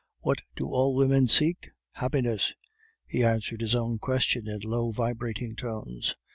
What do all women seek? Happiness." (He answered his own question in low, vibrating tones.)